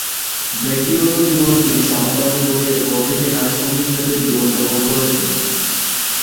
ব্যক্তিগত জীবনে তিনি সমকামী বলে এরপর থেকে নারী সঙ্গীর সাথে জীবনযাপন করছেন।